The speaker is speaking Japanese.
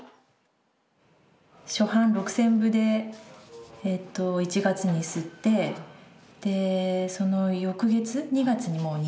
初版６，０００部でえと１月に刷ってでその翌月２月にもう２，０００部。